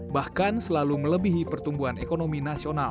bahkan selalu melebihi pertumbuhan ekonomi nasional